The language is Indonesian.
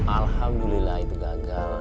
alhamdulillah itu gagal